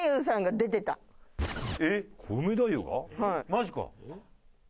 マジか。